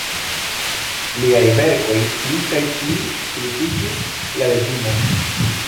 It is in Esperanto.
Liaj verkoj pli kaj pli kritikis la reĝimon.